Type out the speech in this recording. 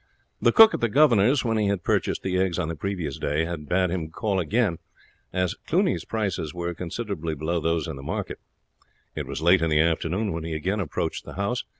The cook at the governor's, when he had purchased the eggs on the previous day, had bade him call again, as Cluny's prices were considerably below those in the market. It was late in the afternoon when he again approached the house.